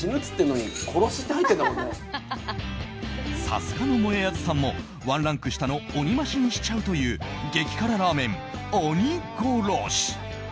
さすがのもえあずさんもワンランク下の鬼増しにしちゃうという激辛ラーメン鬼殺し。